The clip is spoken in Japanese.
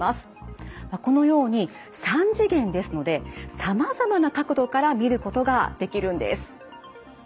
このように３次元ですのでさまざまな角度から見ることができるんです。